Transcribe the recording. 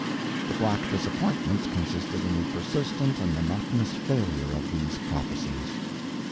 The black disappointments consisted in the persistent and monotonous failure of these prophecies.